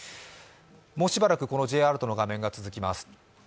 もうしばらくこのＪアラートの画面が続きます。